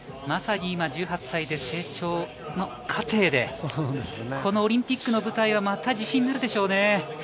１８歳で成長過程でこのオリンピックの舞台がまた自信になるでしょうね。